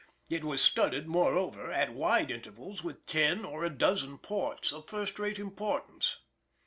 It was studded, moreover, at wide intervals with ten or a dozen ports of first rate importance.